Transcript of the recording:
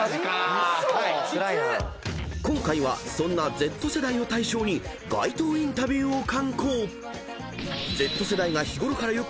［今回はそんなＺ世代を対象に街頭インタビューを敢行］